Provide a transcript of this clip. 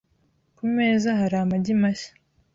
Ku meza hari amagi mashya.